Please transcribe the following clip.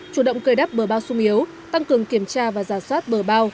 chủ động cười đắp bờ bao sung yếu tăng cường kiểm tra và giả soát bờ bao